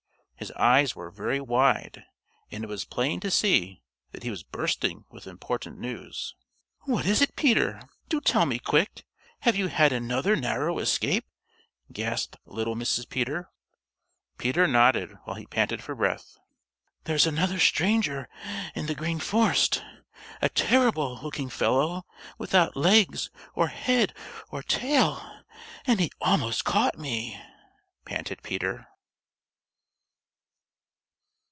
His eyes were very wide, and it was plain to see that he was bursting with important news. "What is it, Peter? Do tell me quick! Have you had another narrow escape?" gasped little Mrs. Peter. Peter nodded while he panted for breath. "There's another stranger in the Green Forest, a terrible looking fellow without legs or head or tail, and he almost caught me!" panted Peter.